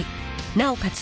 なおかつ